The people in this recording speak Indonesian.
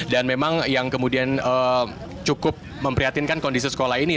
dan memang yang kemudian cukup memprihatinkan kondisi sekolah ini